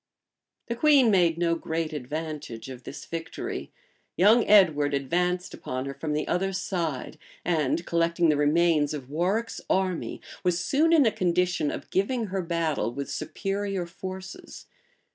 The queen made no great advantage of this victory: young Edward advanced upon her from the other side; and collecting the remains of Warwick's army, was soon in a condition of giving her battle with superior forces.